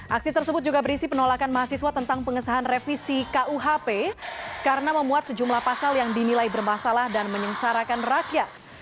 aksi tersebut juga berisi penolakan mahasiswa tentang pengesahan revisi kuhp karena memuat sejumlah pasal yang dinilai bermasalah dan menyengsarakan rakyat